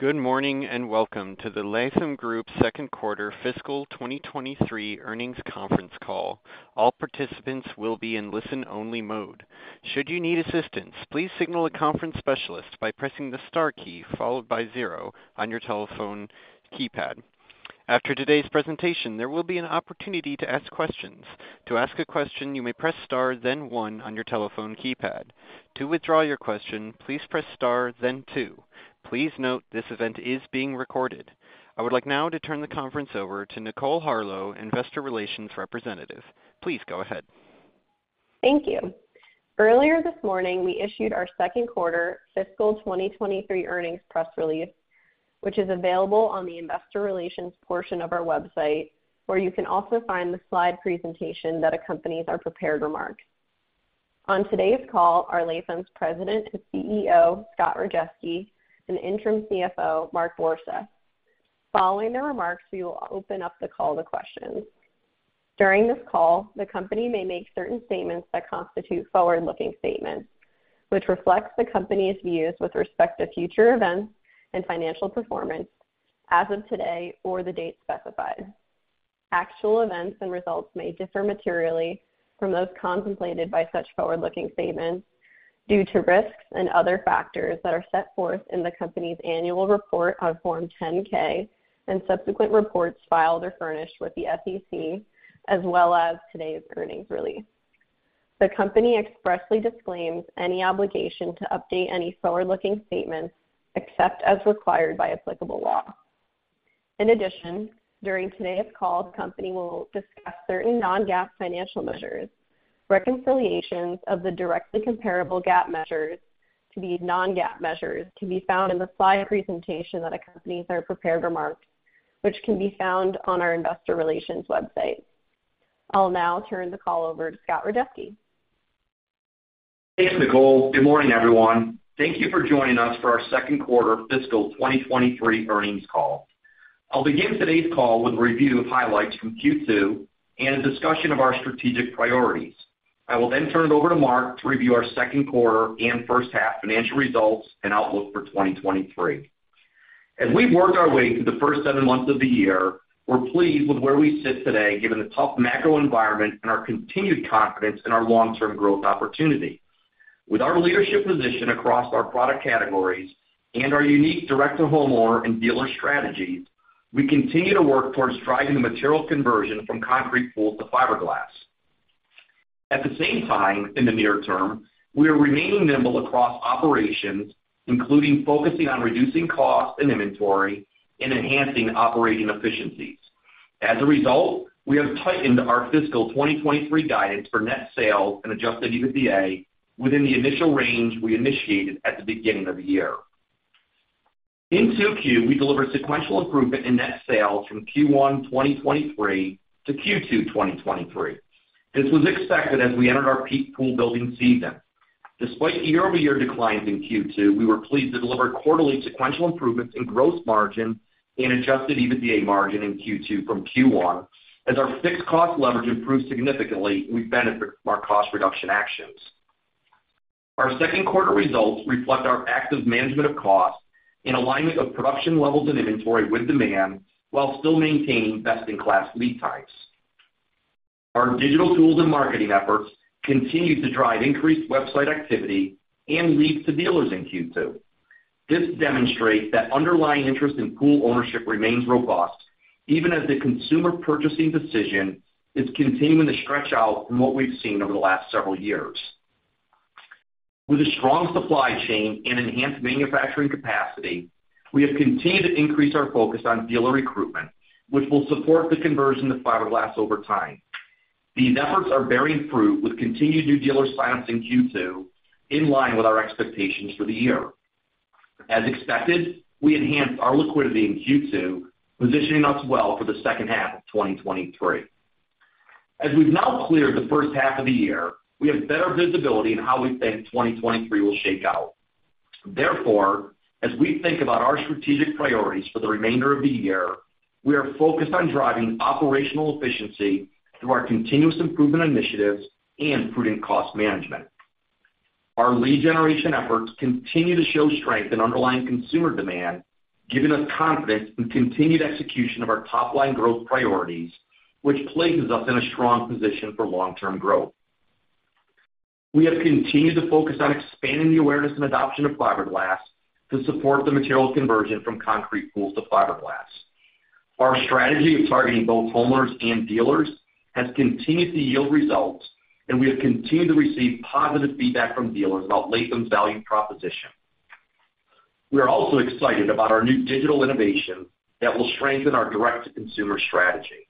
Good morning, and welcome to the Latham Group Q2 fiscal 2023 Earnings Conference Call. All participants will be in listen-only mode. Should you need assistance, please signal a conference specialist by pressing the star key followed by zero on your telephone keypad. After today's presentation, there will be an opportunity to ask questions. To ask a question, you may press star, then one on your telephone keypad. To withdraw your question, please press star then two. Please note, this event is being recorded. I would like now to turn the conference over to Nicole Harlowe, investor relations representative. Please go ahead. Thank you. Earlier this morning, we issued our Q2 fiscal 2023 earnings press release, which is available on the investor relations portion of our website, where you can also find the slide presentation that accompanies our prepared remarks. On today's call are Latham's President and CEO, Scott Rajeski, and Interim CFO, Mark Borseth. Following the remarks, we will open up the call to questions. During this call, the company may make certain statements that constitute forward-looking statements, which reflects the company's views with respect to future events and financial performance as of today or the date specified. Actual events and results may differ materially from those contemplated by such forward-looking statements due to risks and other factors that are set forth in the company's annual report on Form 10-K and subsequent reports filed or furnished with the SEC, as well as today's earnings release. The company expressly disclaims any obligation to update any forward-looking statements, except as required by applicable law. In addition, during today's call, the company will discuss certain non-GAAP financial measures. Reconciliations of the directly comparable GAAP measures to the non-GAAP measures can be found in the slide presentation that accompanies our prepared remarks, which can be found on our investor relations website. I'll now turn the call over to Scott Rajeski. Thanks, Nicole. Good morning, everyone. Thank you for joining us for our Q2 fiscal 2023 earnings call. I'll begin today's call with a review of highlights from Q2 and a discussion of our strategic priorities. I will then turn it over to Mark to review our Q2 and first half financial results and outlook for 2023. As we've worked our way through the first 7 months of the year, we're pleased with where we sit today, given the tough macro environment and our continued confidence in our long-term growth opportunity. With our leadership position across our product categories and our unique direct-to-homeowner and dealer strategies, we continue to work towards driving the material conversion from concrete pools to fiberglass. At the same time, in the near term, we are remaining nimble across operations, including focusing on reducing costs and inventory and enhancing operating efficiencies. As a result, we have tightened our fiscal 2023 guidance for net sales and Adjusted EBITDA within the initial range we initiated at the beginning of the year. In Q2, we delivered sequential improvement in net sales from Q1 2023 to Q2 2023. This was expected as we entered our peak pool building season. Despite year-over-year declines in Q2, we were pleased to deliver quarterly sequential improvements in gross margin and Adjusted EBITDA margin in Q2 from Q1. As our fixed cost leverage improved significantly, we benefit from our cost reduction actions. Our Q2 results reflect our active management of costs and alignment of production levels and inventory with demand, while still maintaining best-in-class lead times. Our digital tools and marketing efforts continue to drive increased website activity and leads to dealers in Q2. This demonstrates that underlying interest in pool ownership remains robust, even as the consumer purchasing decision is continuing to stretch out from what we've seen over the last several years. With a strong supply chain and enhanced manufacturing capacity, we have continued to increase our focus on dealer recruitment, which will support the conversion to fiberglass over time. These efforts are bearing fruit, with continued new dealer sign-ups in Q2, in line with our expectations for the year. As expected, we enhanced our liquidity in Q2, positioning us well for the second half of 2023. As we've now cleared the first half of the year, we have better visibility in how we think 2023 will shake out. Therefore, as we think about our strategic priorities for the remainder of the year, we are focused on driving operational efficiency through our continuous improvement initiatives and prudent cost management. Our lead generation efforts continue to show strength in underlying consumer demand, giving us confidence in continued execution of our top-line growth priorities, which places us in a strong position for long-term growth. We have continued to focus on expanding the awareness and adoption of fiberglass to support the material conversion from concrete pools to fiberglass. Our strategy of targeting both homeowners and dealers has continued to yield results, and we have continued to receive positive feedback from dealers about Latham's value proposition. We are also excited about our new digital innovation that will strengthen our direct-to-consumer strategy.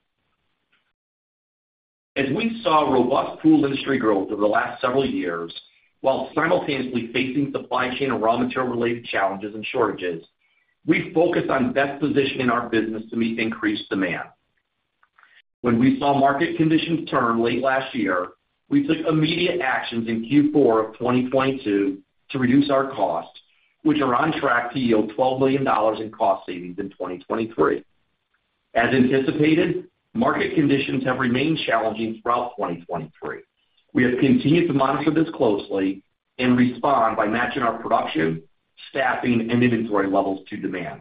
As we saw robust pool industry growth over the last several years, while simultaneously facing supply chain and raw material-related challenges and shortages, we focused on best positioning our business to meet increased demand. When we saw market conditions turn late last year, we took immediate actions in Q4 of 2022 to reduce our costs, which are on track to yield $12 million in cost savings in 2023. As anticipated, market conditions have remained challenging throughout 2023. We have continued to monitor this closely and respond by matching our production, staffing, and inventory levels to demand.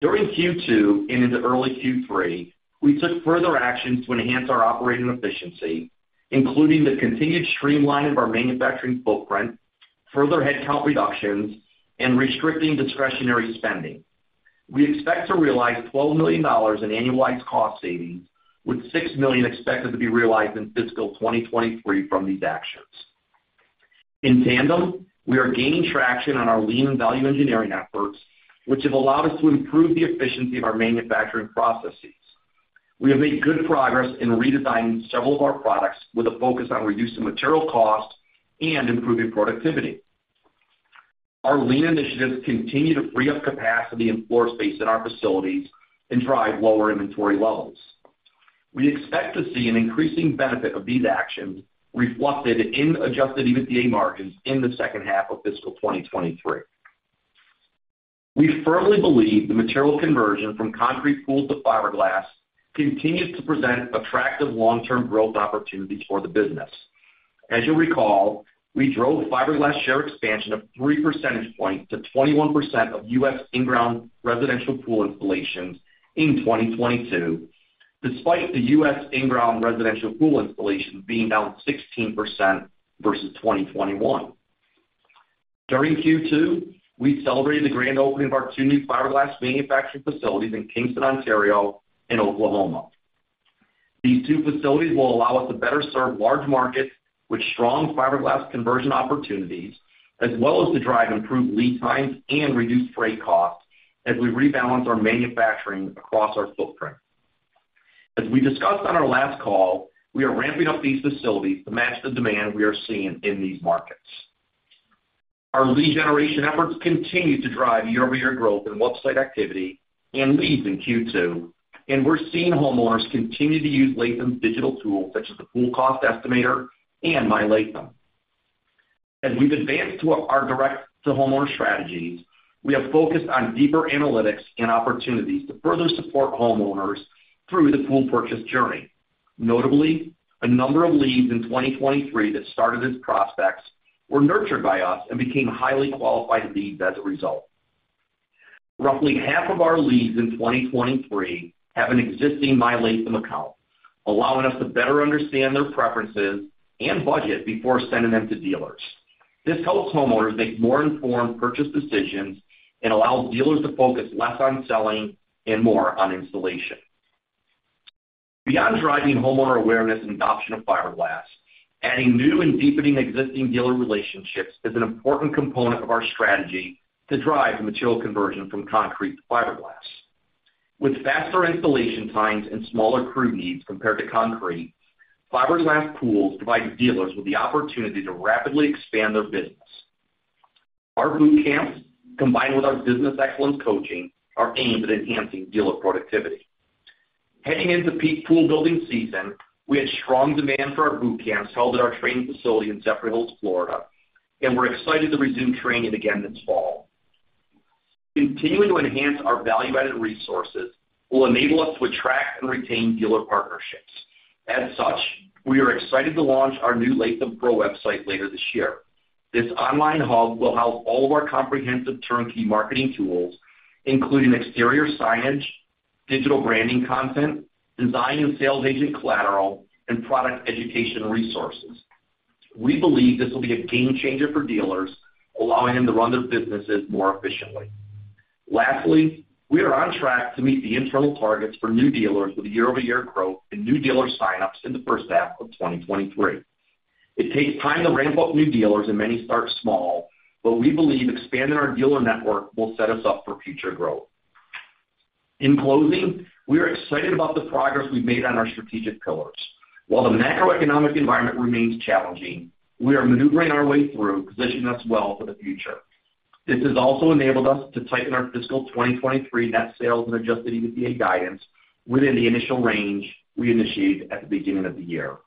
During Q2 and into early Q3, we took further actions to enhance our operating efficiency, including the continued streamlining of our manufacturing footprint, further headcount reductions, and restricting discretionary spending. We expect to realize $12 million in annualized cost savings, with $6 million expected to be realized in fiscal 2023 from these actions. In tandem, we are gaining traction on our lean value engineering efforts, which have allowed us to improve the efficiency of our manufacturing processes. We have made good progress in redesigning several of our products with a focus on reducing material costs and improving productivity. Our lean initiatives continue to free up capacity and floor space in our facilities and drive lower inventory levels. We expect to see an increasing benefit of these actions reflected in Adjusted EBITDA margins in the second half of fiscal 2023. We firmly believe the material conversion from concrete pools to fiberglass continues to present attractive long-term growth opportunities for the business. As you'll recall, we drove fiberglass share expansion of 3 percentage points to 21% of US in-ground residential pool installations in 2022, despite the US in-ground residential pool installations being down 16% versus 2021. During Q2, we celebrated the grand opening of our two new fiberglass manufacturing facilities in Kingston, Ontario, and Oklahoma. These two facilities will allow us to better serve large markets with strong fiberglass conversion opportunities, as well as to drive improved lead times and reduced freight costs as we rebalance our manufacturing across our footprint. As we discussed on our last call, we are ramping up these facilities to match the demand we are seeing in these markets. Our lead generation efforts continued to drive year-over-year growth in website activity and leads in Q2, and we're seeing homeowners continue to use Latham's digital tools, such as the Pool Cost Estimator and myLatham. As we've advanced to our direct-to-homeowner strategies, we have focused on deeper analytics and opportunities to further support homeowners through the pool purchase journey. Notably, a number of leads in 2023 that started as prospects were nurtured by us and became highly qualified leads as a result. Roughly half of our leads in 2023 have an existing myLatham account, allowing us to better understand their preferences and budget before sending them to dealers. This helps homeowners make more informed purchase decisions and allows dealers to focus less on selling and more on installation. Beyond driving homeowner awareness and adoption of fiberglass, adding new and deepening existing dealer relationships is an important component of our strategy to drive the material conversion from concrete to fiberglass. With faster installation times and smaller crew needs compared to concrete, fiberglass pools provide dealers with the opportunity to rapidly expand their business. Our boot camps, combined with our business excellence coaching, are aimed at enhancing dealer productivity. Heading into peak pool building season, we had strong demand for our boot camps held at our training facility in Zephyrhills, Florida, We're excited to resume training again this fall. Continuing to enhance our value-added resources will enable us to attract and retain dealer partnerships. As such, we are excited to launch our new Latham Pro website later this year. This online hub will house all of our comprehensive turnkey marketing tools, including exterior signage, digital branding content, design and sales agent collateral, and product education resources. We believe this will be a game changer for dealers, allowing them to run their businesses more efficiently. Lastly, we are on track to meet the internal targets for new dealers with year-over-year growth in new dealer sign-ups in the first half of 2023. It takes time to ramp up new dealers, and many start small, but we believe expanding our dealer network will set us up for future growth. In closing, we are excited about the progress we've made on our strategic pillars. While the macroeconomic environment remains challenging, we are maneuvering our way through, positioning us well for the future. This has also enabled us to tighten our fiscal 2023 net sales and Adjusted EBITDA guidance within the initial range we initiated at the beginning of the year.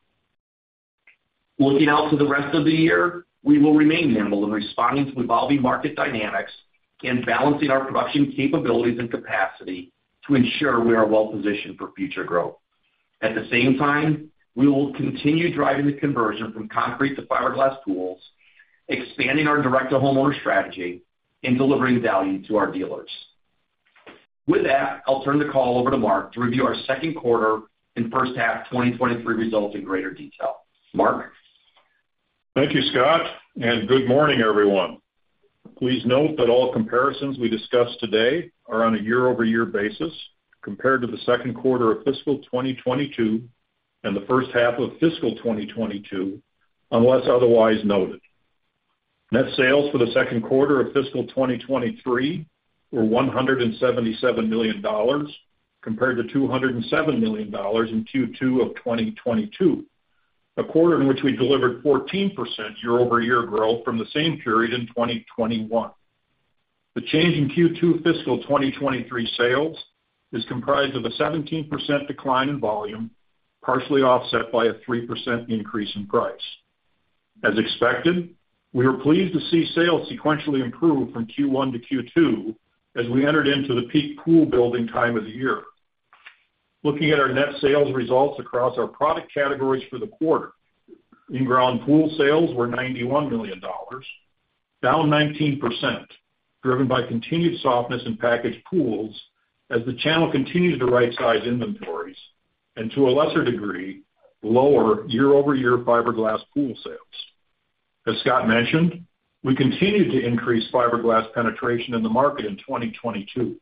Looking out to the rest of the year, we will remain nimble in responding to evolving market dynamics and balancing our production capabilities and capacity to ensure we are well positioned for future growth. At the same time, we will continue driving the conversion from concrete to fiberglass pools, expanding our direct-to-homeowner strategy, and delivering value to our dealers. With that, I'll turn the call over to Mark to review our Q2 and first half of 2023 results in greater detail. Mark? Thank you, Scott, and good morning, everyone. Please note that all comparisons we discuss today are on a year-over-year basis compared to the Q2 of fiscal 2022 and the first half of fiscal 2022, unless otherwise noted. Net sales for the Q2 of fiscal 2023 were $177 million, compared to $207 million in Q2 of 2022, a quarter in which we delivered 14% year-over-year growth from the same period in 2021. The change in Q2 fiscal 2023 sales is comprised of a 17% decline in volume, partially offset by a 3% increase in price. As expected, we were pleased to see sales sequentially improve from Q1 to Q2 as we entered into the peak pool building time of the year. Looking at our net sales results across our product categories for the quarter, in-ground pool sales were $91 million, down 19%, driven by continued softness in packaged pools as the channel continues to right-size inventories, and to a lesser degree, lower year-over-year fiberglass pool sales. As Scott mentioned, we continued to increase fiberglass penetration in the market in 2022.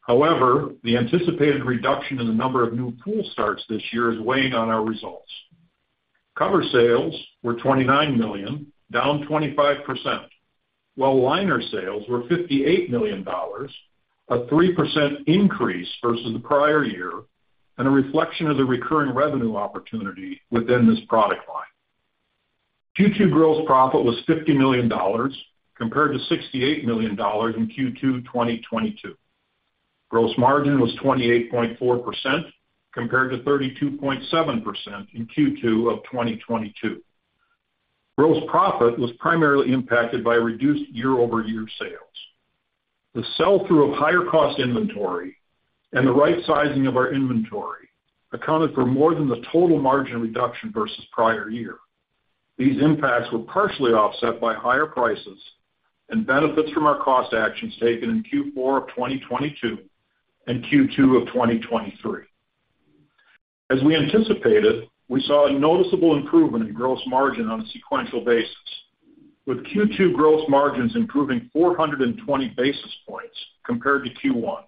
However, the anticipated reduction in the number of new pool starts this year is weighing on our results. Cover sales were $29 million, down 25%, while liner sales were $58 million, a 3% increase versus the prior year, and a reflection of the recurring revenue opportunity within this product line. Q2 gross profit was $50 million, compared to $68 million in Q2 2022. Gross margin was 28.4%, compared to 32.7% in Q2 of 2022. Gross profit was primarily impacted by reduced year-over-year sales. The sell-through of higher cost inventory and the right-sizing of our inventory accounted for more than the total margin reduction versus prior year. These impacts were partially offset by higher prices and benefits from our cost actions taken in Q4 of 2022 and Q2 of 2023. As we anticipated, we saw a noticeable improvement in gross margin on a sequential basis, with Q2 gross margins improving 420 basis points compared to Q1.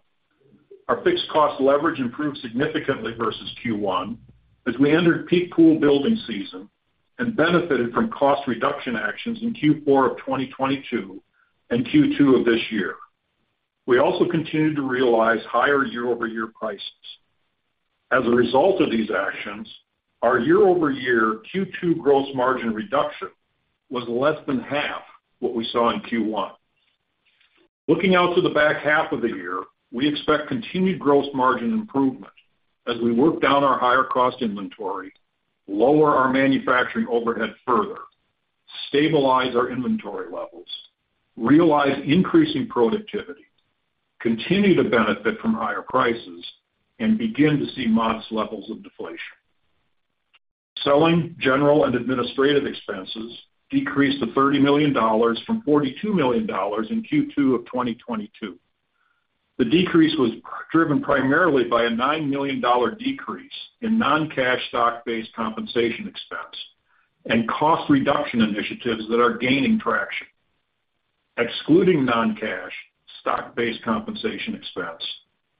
Our fixed cost leverage improved significantly versus Q1 as we entered peak pool building season and benefited from cost reduction actions in Q4 of 2022 and Q2 of this year. We also continued to realize higher year-over-year prices. As a result of these actions, our year-over-year Q2 gross margin reduction was less than half what we saw in Q1. Looking out to the back half of the year, we expect continued gross margin improvement as we work down our higher cost inventory, lower our manufacturing overhead further, stabilize our inventory levels, realize increasing productivity, continue to benefit from higher prices, and begin to see modest levels of deflation. Selling, general, and administrative expenses decreased to $30 from 42 million in Q2 of 2022. The decrease was driven primarily by a $9 million decrease in non-cash stock-based compensation expense and cost reduction initiatives that are gaining traction. Excluding non-cash stock-based compensation expense,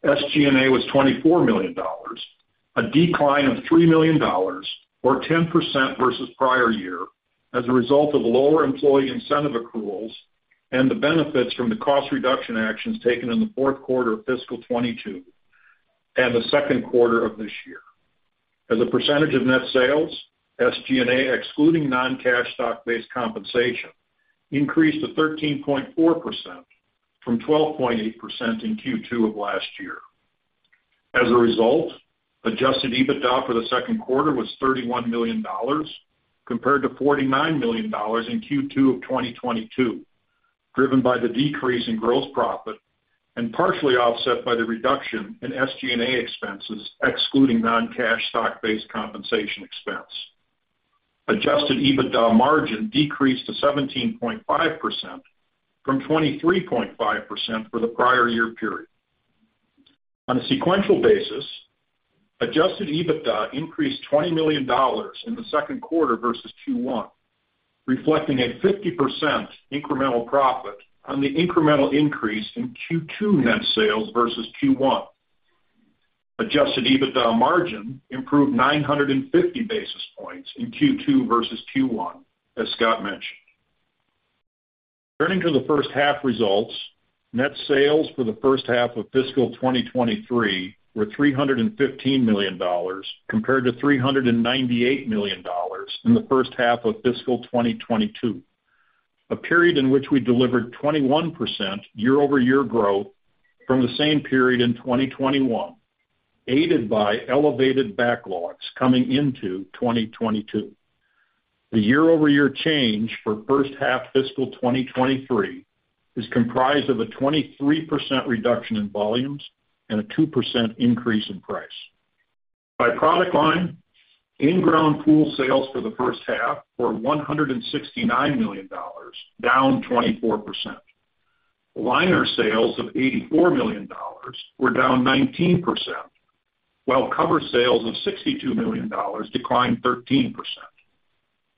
SG&A was $24 million, a decline of $3 million, or 10% versus prior year, as a result of lower employee incentive accruals and the benefits from the cost reduction actions taken in the Q4 of fiscal 2022 and the Q2 of this year. As a percentage of net sales, SG&A, excluding non-cash stock-based compensation, increased to 13.4% from 12.8% in Q2 of last year. As a result, Adjusted EBITDA for the Q2 was $31 million, compared to $49 million in Q2 of 2022, driven by the decrease in gross profit and partially offset by the reduction in SG&A expenses, excluding non-cash stock-based compensation expense. Adjusted EBITDA margin decreased to 17.5% from 23.5% for the prior year period. On a sequential basis, Adjusted EBITDA increased $20 million in the Q2 versus Q1, reflecting a 50% incremental profit on the incremental increase in Q2 net sales versus Q1. Adjusted EBITDA margin improved 950 basis points in Q2 versus Q1, as Scott mentioned. Turning to the first half results, net sales for the first half of fiscal 2023 were $315 million, compared to $398 million in the first half of fiscal 2022, a period in which we delivered 21% year-over-year growth from the same period in 2021, aided by elevated backlogs coming into 2022. The year-over-year change for first half fiscal 2023 is comprised of a 23% reduction in volumes and a 2% increase in price. By product line, in-ground pool sales for the first half were $169 million, down 24%. Liner sales of $84 million were down 19%, while cover sales of $62 million declined 13%.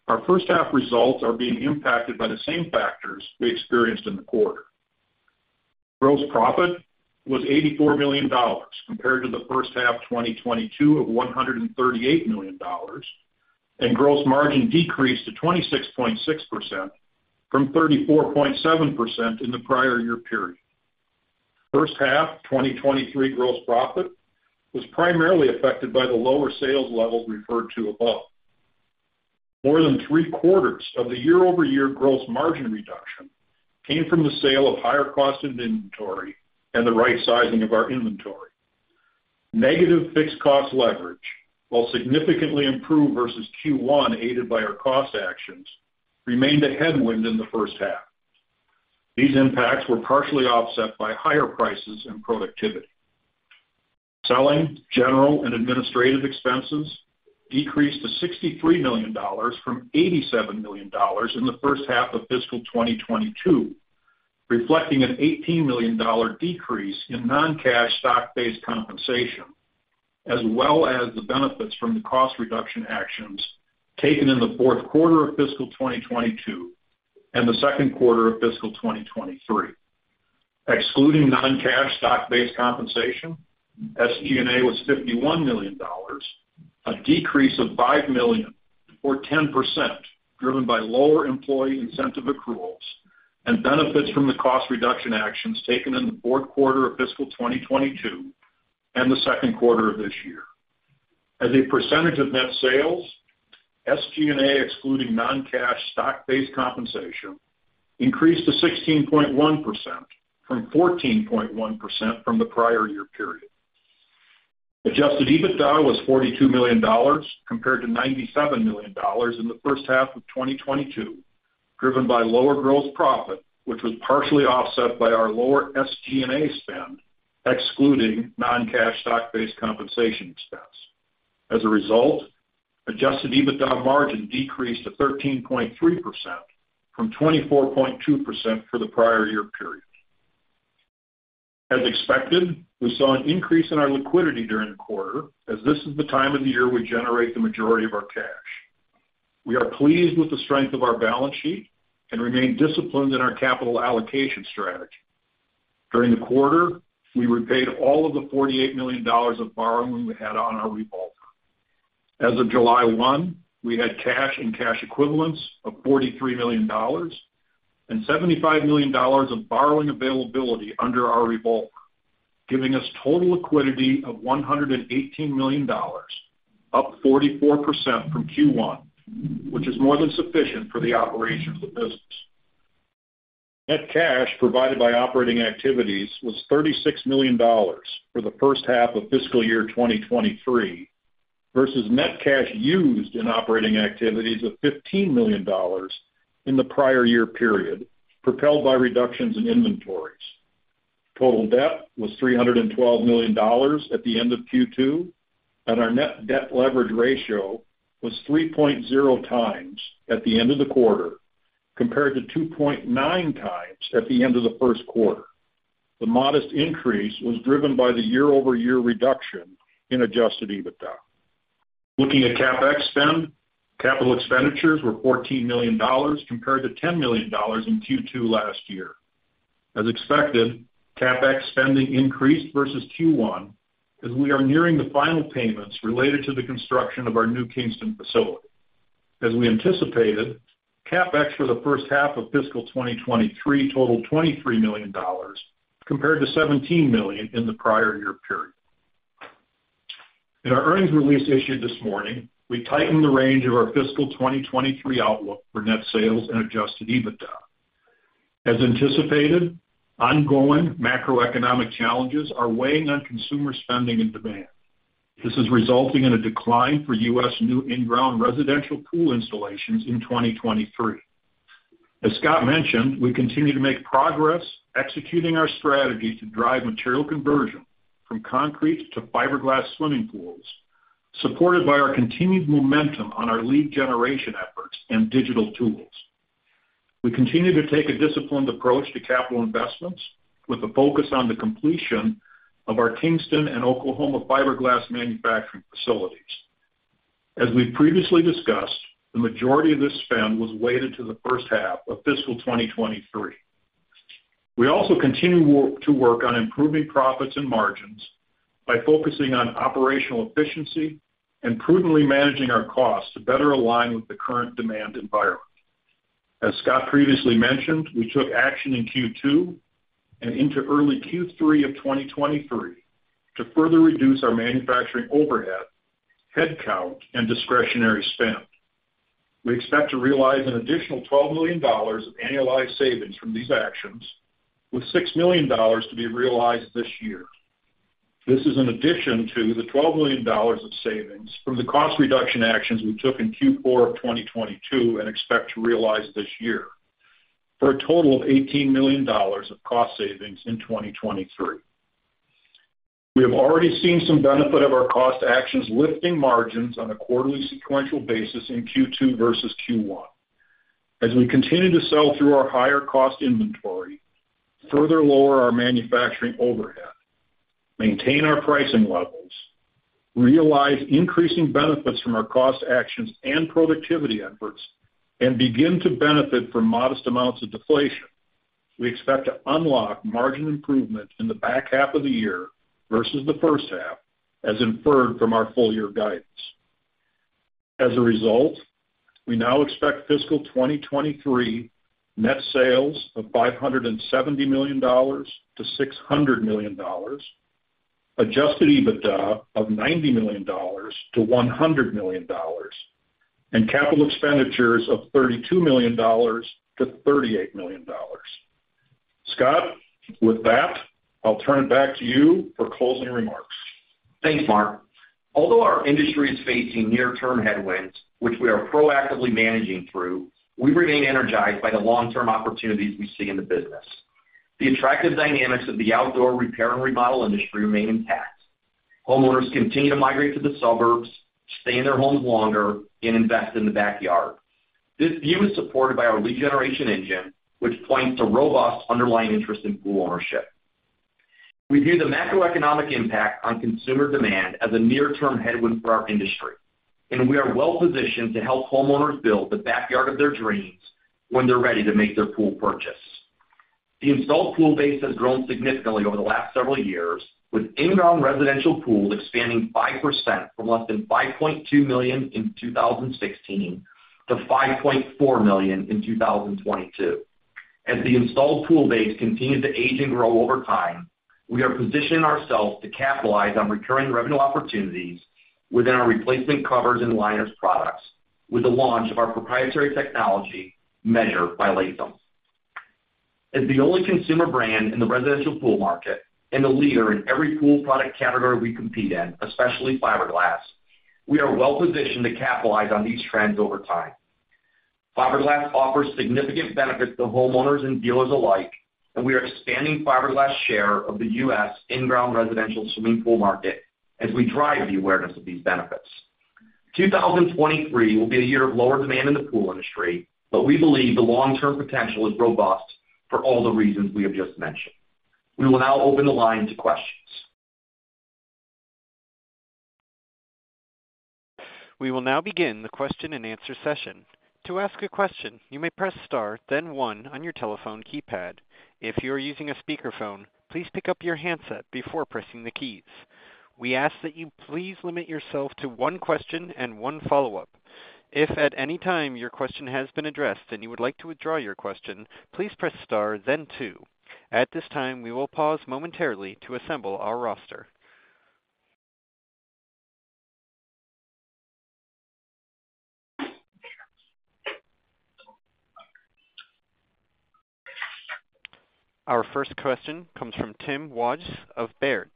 Our first half results are being impacted by the same factors we experienced in the quarter. Gross profit was $84 million, compared to the first half 2022 of $138 million, and gross margin decreased to 26.6% from 34.7% in the prior year period. First half 2023 gross profit was primarily affected by the lower sales levels referred to above. More than three quarters of the year-over-year gross margin reduction came from the sale of higher cost of inventory and the right sizing of our inventory. Negative fixed cost leverage, while significantly improved versus Q1, aided by our cost actions, remained a headwind in the first half. These impacts were partially offset by higher prices and productivity. Selling, General & Administrative expenses decreased to $63 from 87 million in the first half of fiscal 2022, reflecting an $18 million decrease in non-cash stock-based compensation, as well as the benefits from the cost reduction actions taken in the Q4 of fiscal 2022 and the Q2 of fiscal 2023. Excluding non-cash stock-based compensation, SG&A was $51 million, a decrease of $5 million, or 10%, driven by lower employee incentive accruals and benefits from the cost reduction actions taken in the Q4 of fiscal 2022 and the Q2 of this year. As a percentage of net sales, SG&A, excluding non-cash stock-based compensation, increased to 16.1% from 14.1% from the prior year period. Adjusted EBITDA was $42 million, compared to $97 million in the first half of 2022, driven by lower gross profit, which was partially offset by our lower SG&A spend, excluding non-cash stock-based compensation expense. As a result, Adjusted EBITDA margin decreased to 13.3% from 24.2% for the prior year period. As expected, we saw an increase in our liquidity during the quarter, as this is the time of the year we generate the majority of our cash. We are pleased with the strength of our balance sheet and remain disciplined in our capital allocation strategy. During the quarter, we repaid all of the $48 million of borrowing we had on our revolver. As of July 1, we had cash and cash equivalents of $43 and 75 million of borrowing availability under our revolver, giving us total liquidity of $118 million, up 44% from Q1, which is more than sufficient for the operations of the business. Net cash provided by operating activities was $36 million for the first half of fiscal year 2023, versus net cash used in operating activities of $15 million in the prior year period, propelled by reductions in inventories. Total debt was $312 million at the end of Q2, and our net debt leverage ratio was 3.0x at the end of the quarter, compared to 2.9x at the end of the Q1. The modest increase was driven by the year-over-year reduction in Adjusted EBITDA. Looking at CapEx spend, capital expenditures were $14 million, compared to $10 million in Q2 last year. As expected, CapEx spending increased versus Q1 as we are nearing the final payments related to the construction of our new Kingston facility. As we anticipated, CapEx for the first half of fiscal 2023 totaled $23 million, compared to $17 million in the prior year period. In our earnings release issued this morning, we tightened the range of our fiscal 2023 outlook for net sales and Adjusted EBITDA. As anticipated, ongoing macroeconomic challenges are weighing on consumer spending and demand. This is resulting in a decline for US new in-ground residential pool installations in 2023. As Scott mentioned, we continue to make progress executing our strategy to drive material conversion from concrete to fiberglass swimming pools, supported by our continued momentum on our lead generation efforts and digital tools. We continue to take a disciplined approach to capital investments, with a focus on the completion of our Kingston and Oklahoma fiberglass manufacturing facilities. As we've previously discussed, the majority of this spend was weighted to the first half of fiscal 2023. We also continue to work on improving profits and margins by focusing on operational efficiency and prudently managing our costs to better align with the current demand environment. As Scott previously mentioned, we took action in Q2 and into early Q3 of 2023 to further reduce our manufacturing overhead, headcount, and discretionary spend. We expect to realize an additional $12 million of annualized savings from these actions, with $6 million to be realized this year. This is in addition to the $12 million of savings from the cost reduction actions we took in Q4 of 2022 and expect to realize this year, for a total of $18 million of cost savings in 2023. We have already seen some benefit of our cost actions, lifting margins on a quarterly sequential basis in Q2 versus Q1. As we continue to sell through our higher cost inventory, further lower our manufacturing overhead, maintain our pricing levels, realize increasing benefits from our cost actions and productivity efforts, and begin to benefit from modest amounts of deflation, we expect to unlock margin improvement in the back half of the year versus the first half, as inferred from our full year guidance. As a result, we now expect fiscal 2023 net sales of $570 to 600 million, Adjusted EBITDA of $90 to 100 million, and capital expenditures of $32 to 38 million. Scott, with that, I'll turn it back to you for closing remarks. Thanks, Mark. Although our industry is facing near-term headwinds, which we are proactively managing through, we remain energized by the long-term opportunities we see in the business. The attractive dynamics of the outdoor repair and remodel industry remain intact. Homeowners continue to migrate to the suburbs, stay in their homes longer, and invest in the backyard. This view is supported by our lead generation engine, which points to robust underlying interest in pool ownership. We view the macroeconomic impact on consumer demand as a near-term headwind for our industry, and we are well positioned to help homeowners build the backyard of their dreams when they're ready to make their pool purchase. The installed pool base has grown significantly over the last several years, with in-ground residential pools expanding 5% from less than 5.2 million in 2016 to 5.4 million in 2022. As the installed pool base continues to age and grow over time, we are positioning ourselves to capitalize on recurring revenue opportunities within our replacement covers and liners products with the launch of our proprietary technology, Measure by Latham. As the only consumer brand in the residential pool market and the leader in every pool product category we compete in, especially fiberglass, we are well positioned to capitalize on these trends over time. Fiberglass offers significant benefits to homeowners and dealers alike, and we are expanding fiberglass share of the US in-ground residential swimming pool market as we drive the awareness of these benefits. 2023 will be a year of lower demand in the pool industry, but we believe the long-term potential is robust for all the reasons we have just mentioned. We will now open the line to questions. We will now begin the question-and-answer session. To ask a question, you may press star, then one on your telephone keypad. If you are using a speakerphone, please pick up your handset before pressing the keys. We ask that you please limit yourself to one question and one follow-up. If at any time your question has been addressed and you would like to withdraw your question, please press star then two. At this time, we will pause momentarily to assemble our roster. Our first question comes from Tim Wojs of Baird.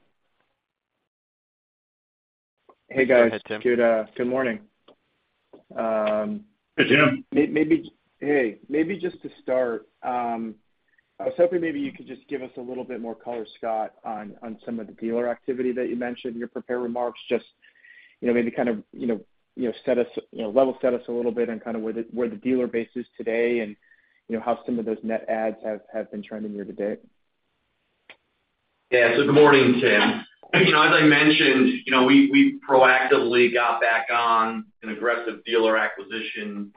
Hey, guys. Go ahead, Tim. Good, good morning. Hey, Tim. Maybe, hey, maybe just to start, I was hoping maybe you could just give us a little bit more color, Scott, on, on some of the dealer activity that you mentioned in your prepared remarks, just, you know, maybe kind of, you know, you know, set us, you know, level set us a little bit on kind of where the, where the dealer base is today and, you know, how some of those net adds have, have been trending year to date? Good morning, Tim. You know, as I mentioned, you know, we, we proactively got back on an aggressive dealer acquisition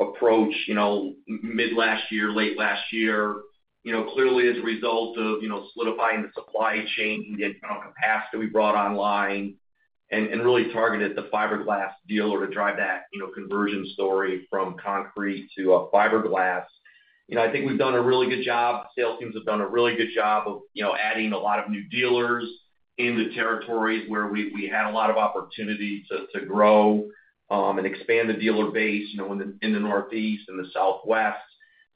approach, you know, mid last year, late last year, you know, clearly as a result of, you know, solidifying the supply chain and the amount of capacity we brought online and, and really targeted the fiberglass dealer to drive that, you know, conversion story from concrete to fiberglass. You know, I think we've done a really good job. Sales teams have done a really good job of, you know, adding a lot of new dealers in the territories where we, we had a lot of opportunity to, to grow and expand the dealer base, you know, in the, in the Northeast and the Southwest,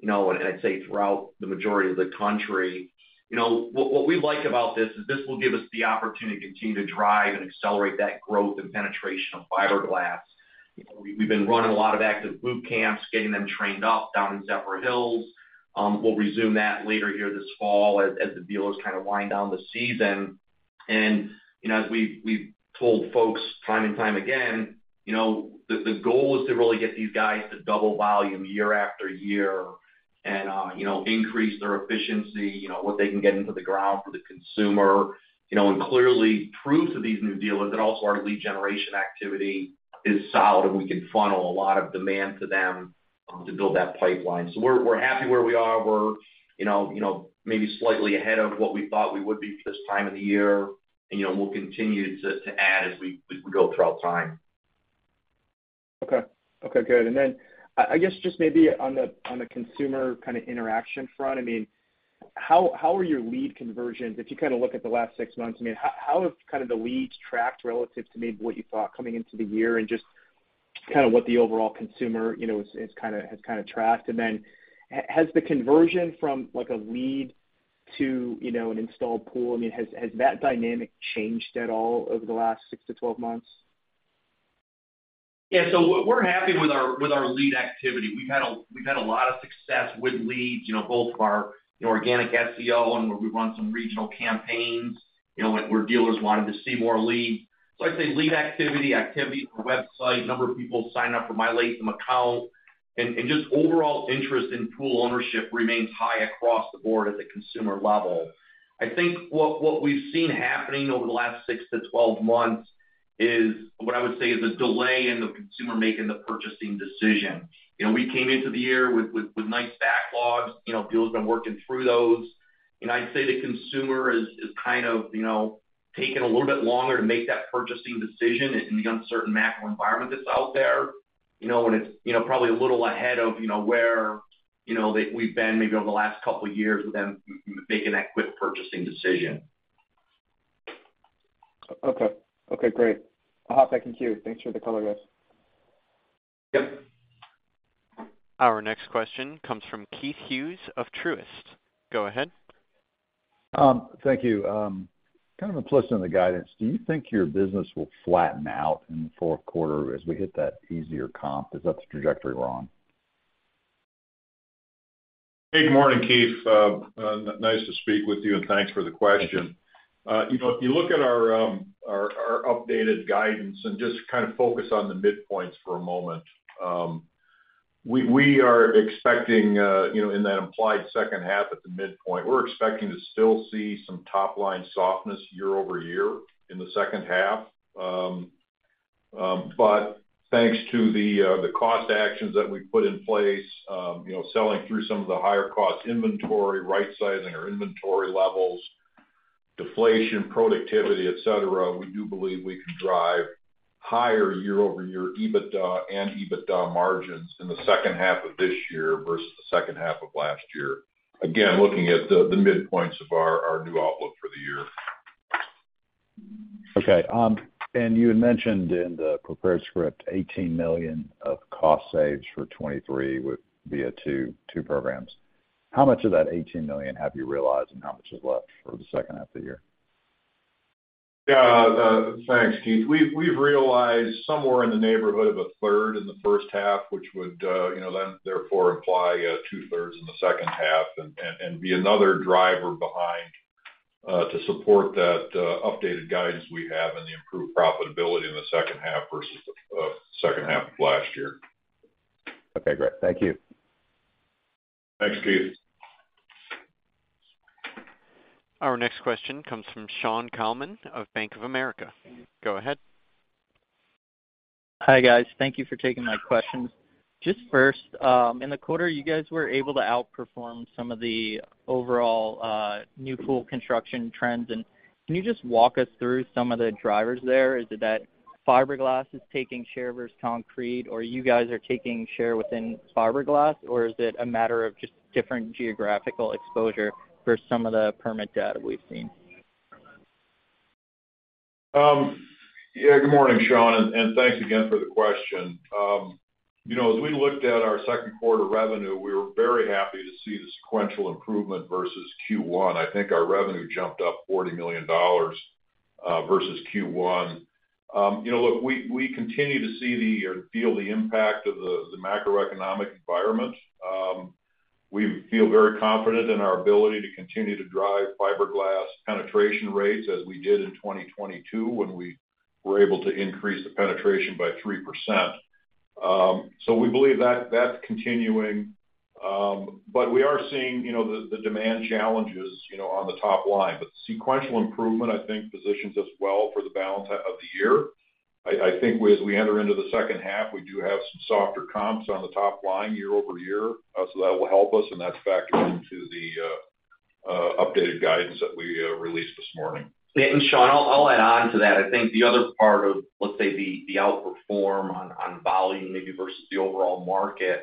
you know, and I'd say throughout the majority of the country. You know, what, what we like about this is this will give us the opportunity to continue to drive and accelerate that growth and penetration of fiberglass. You know, we've been running a lot of active boot camps, getting them trained up, down in Zephyrhills. We'll resume that later here this fall as, as the dealers kind of wind down the season. You know, as we've, we've told folks time and time again, you know, the, the goal is to really get these guys to double volume year after year and, you know, increase their efficiency, you know, what they can get into the ground for the consumer. You know, clearly prove to these new dealers that also our lead generation activity is solid, and we can funnel a lot of demand to them to build that pipeline. We're, we're happy where we are. We're, you know, you know, maybe slightly ahead of what we thought we would be this time of the year, and, you know, we'll continue to, to add as we, we go throughout time. Okay. Okay, good. I guess, just maybe on the consumer kind of interaction front, I mean, how are your lead conversions? If you kind of look at the last 6 months, I mean, how have kind of the leads tracked relative to maybe what you thought coming into the year and just kind of what the overall consumer, you know, is kind of has kind of tracked? has the conversion from, like, a lead to, you know, an installed pool, I mean, has that dynamic changed at all over the last 6 to 12 months? We're happy with our lead activity. We've had a lot of success with leads, you know, both from our organic SEO and where we've run some regional campaigns, you know, where dealers wanted to see more leads. I'd say lead activity, activity on the website, number of people signing up for My Latham account, and just overall interest in pool ownership remains high across the board at the consumer level. I think what we've seen happening over the last 6-12 months is what I would say is a delay in the consumer making the purchasing decision. You know, we came into the year with nice backlogs. You know, dealers have been working through those. I'd say the consumer is, is kind of, you know, taking a little bit longer to make that purchasing decision in the uncertain macro environment that's out there. It's, you know, probably a little ahead of, you know, where, you know, we've been maybe over the last couple of years with them making that quick purchasing decision. Okay. Okay, great. I'll hop back in queue. Thanks for the color, guys. Yep. Our next question comes from Keith Hughes of Truist. Go ahead. Thank you. Kind of a twist in the guidance, do you think your business will flatten out in the Q4 as we hit that easier comp? Is that the trajectory we're on? Hey, good morning, Keith. Nice to speak with you. Thanks for the question. You know, if you look at our updated guidance and just kind of focus on the midpoints for a moment, we are expecting, you know, in that implied second half at the midpoint, we're expecting to still see some top-line softness year-over-year in the second half. Thanks to the cost actions that we put in place, you know, selling through some of the higher cost inventory, right-sizing our inventory levels, deflation, productivity, et cetera, we do believe we can drive higher year-over-year EBITDA and EBITDA margins in the second half of this year versus the second half of last year. Again, looking at the midpoints of our new outlook for the year. Okay. You had mentioned in the prepared script, $18 million of cost saves for 2023 would be a two, two programs. How much of that $18 million have you realized, and how much is left for the second half of the year? Yeah, thanks, Keith. We've, we've realized somewhere in the neighborhood of a third in the first half, which would, you know, then therefore imply two-thirds in the second half and, and, and be another driver behind to support that updated guidance we have and the improved profitability in the second half versus the second half of last year. Okay, great. Thank you. Thanks, Keith. Our next question comes from Shaun Calnan of Bank of America. Go ahead. Hi, guys. Thank you for taking my questions. Just first, in the quarter, you guys were able to outperform some of the overall, new pool construction trends. Can you just walk us through some of the drivers there? Is it that fiberglass is taking share versus concrete, or you guys are taking share within fiberglass, or is it a matter of just different geographical exposure for some of the permit data we've seen? Yeah, good morning, Shaun, and thanks again for the question. You know, as we looked at our Q2 revenue, we were very happy to see the sequential improvement versus Q1. I think our revenue jumped up $40 million versus Q1. You know, look, we, we continue to see the or feel the impact of the, the macroeconomic environment. We feel very confident in our ability to continue to drive fiberglass penetration rates as we did in 2022, when we were able to increase the penetration by 3%. We believe that that's continuing, but we are seeing, you know, the, the demand challenges, you know, on the top line. The sequential improvement, I think, positions us well for the balance of the year. I think as we enter into the second half, we do have some softer comps on the top line year-over-year. That will help us. That's factored into the updated guidance that we released this morning. Yeah, Sean, I'll, I'll add on to that. I think the other part of, let's say, the, the outperform on, on volume, maybe versus the overall market,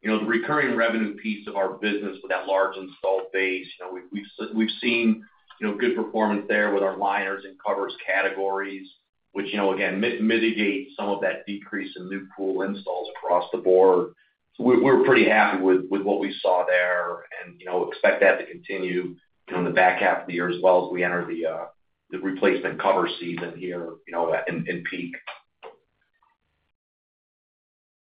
you know, the recurring revenue piece of our business with that large installed base, you know, we've, we've seen, you know, good performance there with our liners and covers categories, which, you know, again, mitigate some of that decrease in new pool installs across the board. We, we're pretty happy with, with what we saw there and, you know, expect that to continue, you know, in the back half of the year, as well as we enter the, the replacement cover season here, you know, in, in peak.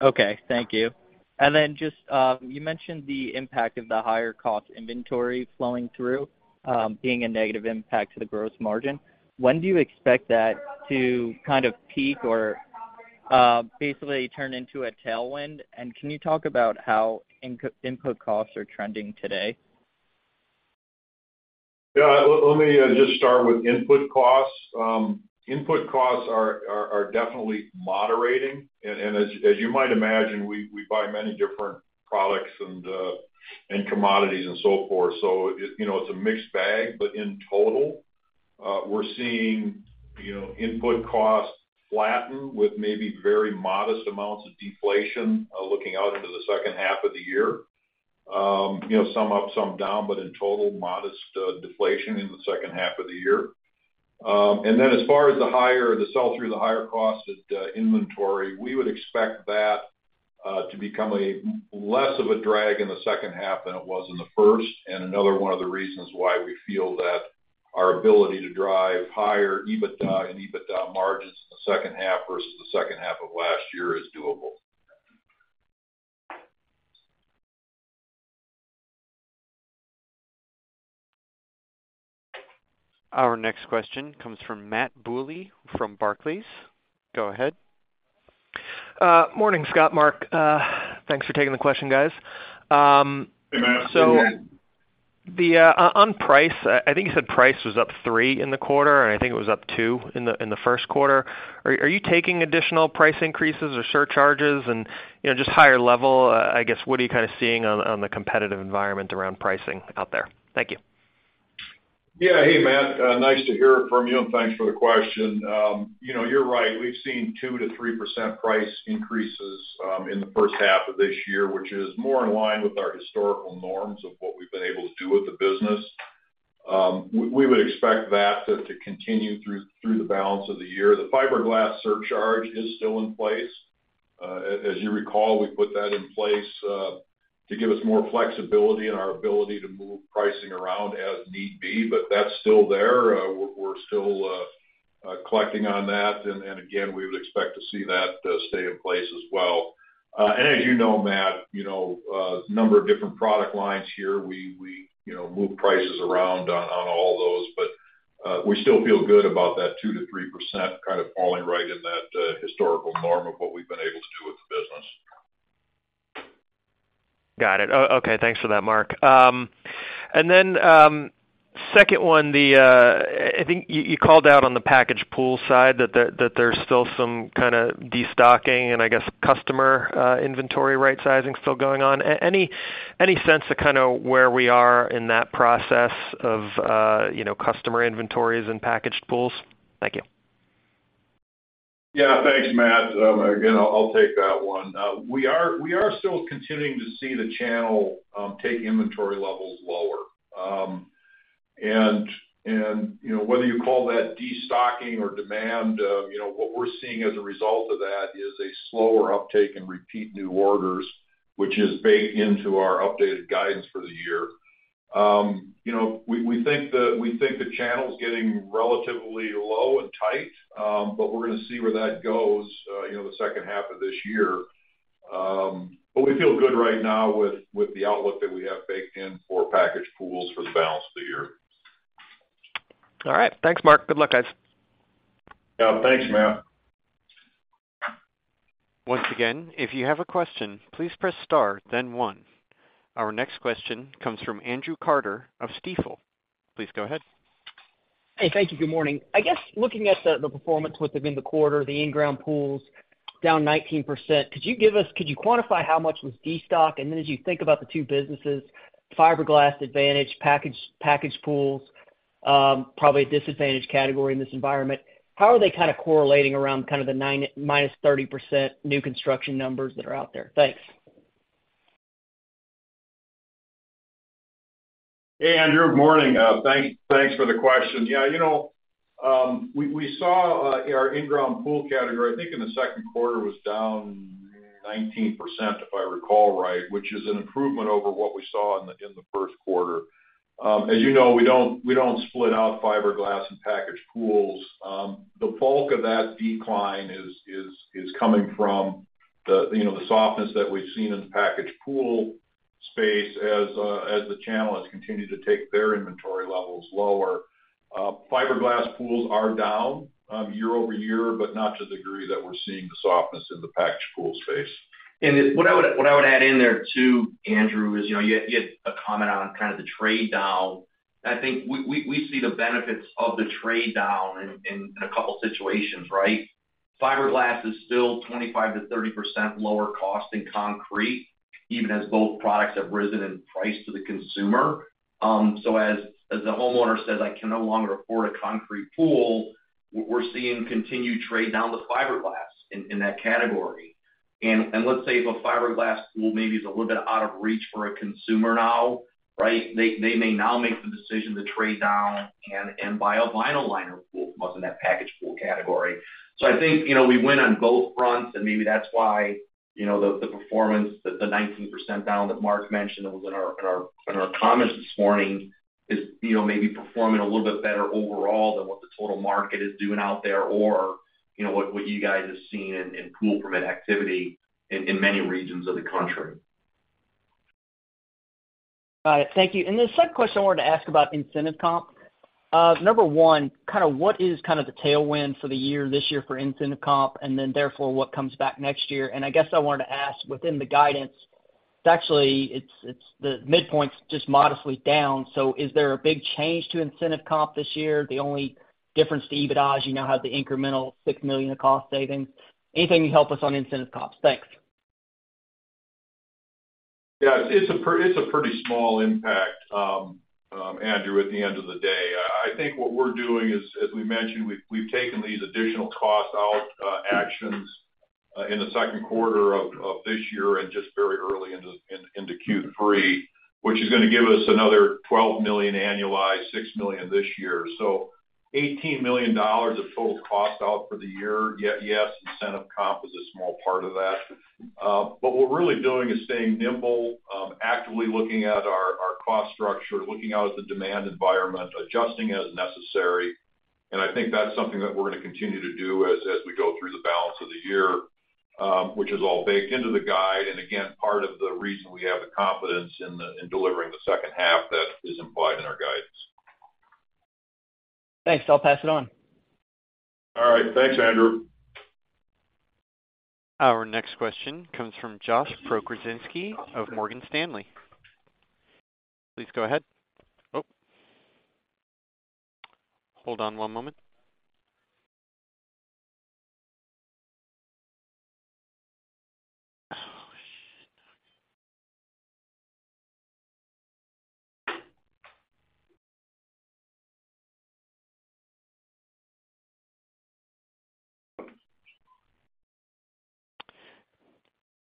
Okay. Thank you. Then just, you mentioned the impact of the higher cost inventory flowing through, being a negative impact to the gross margin. When do you expect that to kind of peak or, basically turn into a tailwind? Can you talk about how input costs are trending today? Yeah, let, let me, just start with input costs. input costs are, are, are definitely moderating. as, as you might imagine, we, we buy many different products and commodities and so forth. it, you know, it's a mixed bag, but in total, we're seeing, you know, input costs flatten with maybe very modest amounts of deflation, looking out into the second half of the year. you know, some up, some down, but in total, modest deflation in the second half of the year. As far as the higher the sell-through, the higher cost of inventory, we would expect that to become a less of a drag in the second half than it was in the first, and another one of the reasons why we feel that our ability to drive higher EBITDA and EBITDA margins in the second half versus the second half of last year is doable. Our next question comes from Matt Bouley, from Barclays. Go ahead. Morning, Scott, Mark. Thanks for taking the question, guys. Hey, Matt. On price, I think you said price was up 3% in the quarter, and I think it was up 2% in the Q1. Are you taking additional price increases or surcharges and, you know, just higher level, what are you kind of seeing on the competitive environment around pricing out there? Thank you. Yeah. Hey, Matt, nice to hear from you, thanks for the question. You know, you're right, we've seen 2% to 3% price increases in the first half of this year, which is more in line with our historical norms of what we've been able to do with the business. We would expect that to continue through the balance of the year. The fiberglass surcharge is still in place. As you recall, we put that in place to give us more flexibility in our ability to move pricing around as need be, that's still there. We're still collecting on that, again, we would expect to see that stay in place as well. As you know, Matt, you know, a number of different product lines here, we, we, you know, move prices around on, on all those, but, we still feel good about that 2% to 3% kind of falling right in that historical norm of what we've been able to do with the business. Got it. Okay, thanks for that, Mark. Second one, the, I think you, you called out on the packaged pool side that there, that there's still some kind of destocking and I guess customer, inventory right-sizing still going on. Any, any sense of kind of where we are in that process of, you know, customer inventories and packaged pools? Thank you. Yeah. Thanks, Matt. Again, I'll, I'll take that one. We are, we are still continuing to see the channel take inventory levels lower. You know, whether you call that destocking or demand, you know, what we're seeing as a result of that is a slower uptake in repeat new orders, which is baked into our updated guidance for the year. You know, we, we think the channel's getting relatively low and tight, but we're gonna see where that goes, you know, the second half of this year. We feel good right now with, with the outlook that we have baked in for packaged pools for the balance of the year. All right. Thanks, Mark. Good luck, guys. Yeah, thanks, Matt. Once again, if you have a question, please press star, then one. Our next question comes from Andrew Carter of Stifel. Please go ahead. Hey, thank you. Good morning. I guess looking at the, the performance within the quarter, the in-ground pools down 19%. Could you give us, could you quantify how much was destock? Then as you think about the two businesses, fiberglass advantage, packaged, packaged pools, probably a disadvantaged category in this environment, how are they kind of correlating around kind of the 9... minus 30% new construction numbers that are out there? Thanks. Hey, Andrew. Morning, thanks for the question. Yeah, you know, we saw our in-ground pool category, I think in the Q2, was down 19%, if I recall right, which is an improvement over what we saw in the Q1. As you know, we don't split out fiberglass and packaged pools. The bulk of that decline is coming from the, you know, the softness that we've seen in the packaged pool space as the channel has continued to take their inventory levels lower. Fiberglass pools are down year-over-year, but not to the degree that we're seeing the softness in the packaged pool space. What I would, what I would add in there, too, Andrew, is, you know, you had, you had a comment on kind of the trade down. I think we, we, we see the benefits of the trade down in, in a couple situations, right? Fiberglass is still 25% to 30% lower cost than concrete, even as both products have risen in price to the consumer. So as, as the homeowner says, "I can no longer afford a concrete pool," we're, we're seeing continued trade down with fiberglass in, in that category. Let's say if a fiberglass pool maybe is a little bit out of reach for a consumer now, right? They, they may now make the decision to trade down and, and buy a vinyl liner pool from us in that packaged pool category. I think, you know, we win on both fronts, and maybe that's why, you know, the, the performance, the, the 19% down that Mark mentioned that was in our, in our, in our comments this morning is, you know, maybe performing a little bit better overall than what the total market is doing out there, or, you know, what, what you guys have seen in, in pool permit activity in, in many regions of the country. All right. Thank you. The second question I wanted to ask about incentive comp. Number one, kind of what is kind of the tailwind for the year, this year for incentive comp, and then therefore, what comes back next year? I guess I wanted to ask, within the guidance, it's actually the midpoint's just modestly down, so is there a big change to incentive comp this year? The only difference to EBITDA is you now have the incremental $6 million in cost savings. Anything you can help us on incentive comps? Thanks. Yeah, it's a pretty small impact, Andrew, at the end of the day. I think what we're doing is, as we mentioned, we've, we've taken these additional cost out actions in the Q2 of this year and just very early into... into Q3, which is gonna give us another $12 million annualized, $6 million this year. $18 million of total cost out for the year, yet, yes, incentive comp is a small part of that. What we're really doing is staying nimble, actively looking at our, our cost structure, looking out at the demand environment, adjusting as necessary, and I think that's something that we're gonna continue to do as, as we go through the balance of the year, which is all baked into the guide, and again, part of the reason we have the confidence in delivering the second half that is implied in our guidance. Thanks. I'll pass it on. All right. Thanks, Andrew. Our next question comes from Josh Pokrzywinski of Morgan Stanley. Please go ahead. Oh, hold on one moment.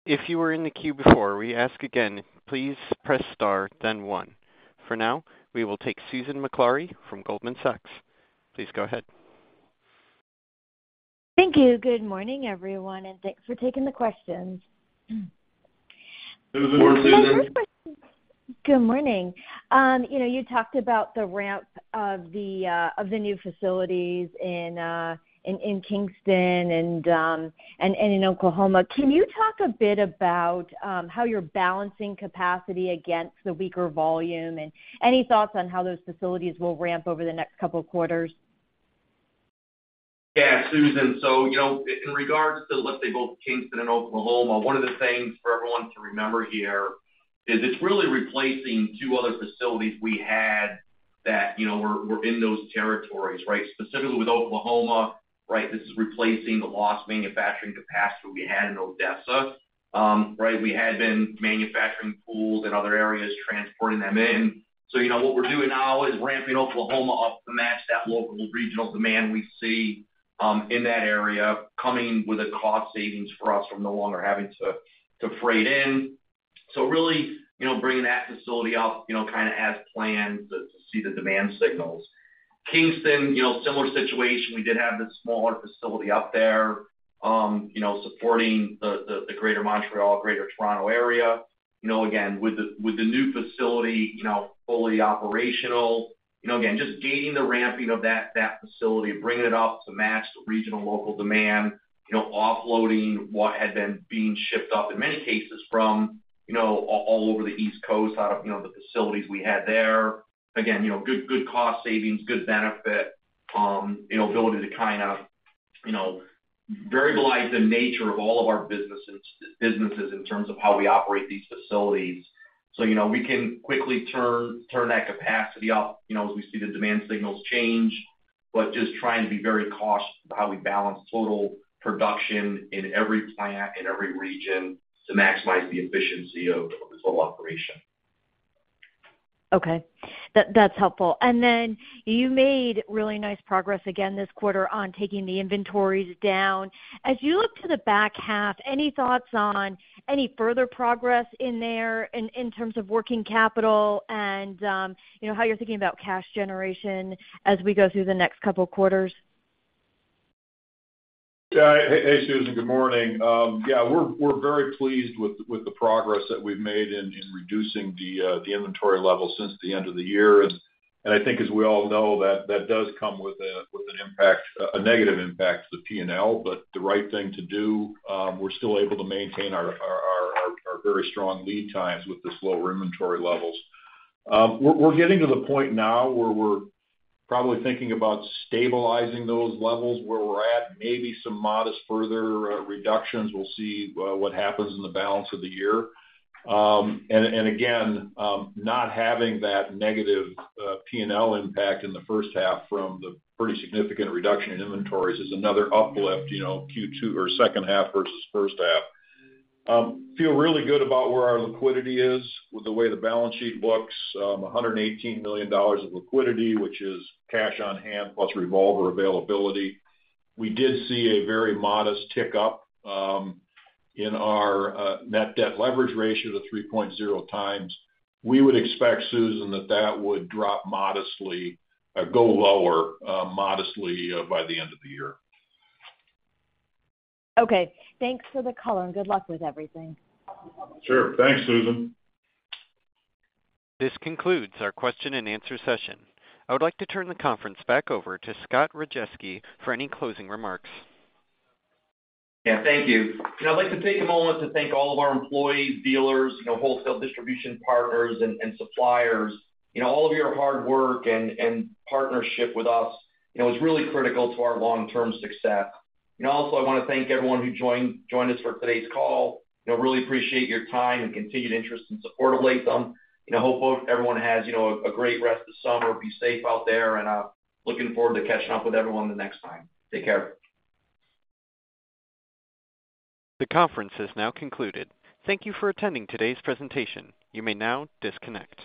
If you were in the queue before, we ask again, please press star, then one. For now, we will take Susan Maklari from Goldman Sachs. Please go ahead. Thank you. Good morning, everyone, and thanks for taking the questions. Susan, morning, Susan. Good morning. You know, you talked about the ramp of the new facilities in Kingston and in Oklahoma. Can you talk a bit about how you're balancing capacity against the weaker volume? Any thoughts on how those facilities will ramp over the next couple of quarters? Yeah, Susan. You know, in regards to, let's say, both Kingston and Oklahoma, one of the things for everyone to remember here is it's really replacing 2 other facilities we had that, you know, were, were in those territories, right? Specifically with Oklahoma, right, this is replacing the lost manufacturing capacity we had in Odessa. Right, we had been manufacturing pools in other areas, transporting them in. You know, what we're doing now is ramping Oklahoma up to match that local regional demand we see, in that area, coming with a cost savings for us from no longer having to, to freight in. Really, you know, bringing that facility up, you know, kind of as planned to, to see the demand signals. Kingston, you know, similar situation. We did have the smaller facility up there, you know, supporting the, the, the greater Montreal, greater Toronto area. You know, again, with the, with the new facility, you know, fully operational, you know, again, just gaining the ramping of that, that facility, bringing it up to match the regional local demand. You know, offloading what had been being shipped up, in many cases from, you know, all over the East Coast, out of, you know, the facilities we had there. Again, you know, good, good cost savings, good benefit, you know, ability to kind of, you know, variabilize the nature of all of our businesses, businesses in terms of how we operate these facilities. You know, we can quickly turn, turn that capacity up, you know, as we see the demand signals change, but just trying to be very cautious about how we balance total production in every plant, in every region to maximize the efficiency of, of this whole operation. Okay. That, that's helpful. You made really nice progress again this quarter on taking the inventories down. As you look to the back half, any thoughts on any further progress in there in, in terms of working capital and, you know, how you're thinking about cash generation as we go through the next couple of quarters? Yeah. Hey, hey, Susan Maklari, good morning. Yeah, we're very pleased with, with the progress that we've made in, in reducing the inventory level since the end of the year. I think, as we all know, that that does come with a, with an impact, a negative impact to the P&L, but the right thing to do. We're still able to maintain our very strong lead times with this lower inventory levels. We're getting to the point now where we're probably thinking about stabilizing those levels where we're at, maybe some modest further reductions. We'll see what happens in the balance of the year. Again, not having that negative P&L impact in the first half from the pretty significant reduction in inventories is another uplift, you know, Q2 or second half versus first half. Feel really good about where our liquidity is with the way the balance sheet looks. $118 million of liquidity, which is cash on hand plus revolver availability. We did see a very modest tick up in our net debt leverage ratio to 3.0x. We would expect, Susan, that that would drop modestly, go lower, modestly, by the end of the year. Okay. Thanks for the call, and good luck with everything. Sure. Thanks, Susan. This concludes our question and answer session. I would like to turn the conference back over to Scott Rajeski for any closing remarks. Yeah, thank you. You know, I'd like to take a moment to thank all of our employees, dealers, you know, wholesale distribution partners and, and suppliers. You know, all of your hard work and, and partnership with us, you know, is really critical to our long-term success. You know, also, I wanna thank everyone who joined, joined us for today's call. You know, really appreciate your time and continued interest and support of Latham. You know, hopefully everyone has, you know, a great rest of the summer. Be safe out there, and looking forward to catching up with everyone the next time. Take care. The conference is now concluded. Thank you for attending today's presentation. You may now disconnect.